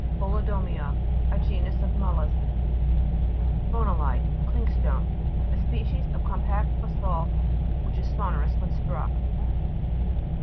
PHO'LODOMY'A A genus of mol lusks. PHO'NOLITE Clinkstone, a species of compact basalt, which is sonor ous when struck (p.